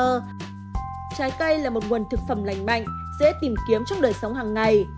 trái cây là một nguồn thực phẩm lành mạnh dễ tìm kiếm trong đời sống hàng ngày